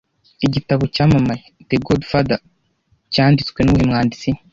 Igitabo cyamamaye 'The Godfather' cyanditswe nuwuhe mwanditsi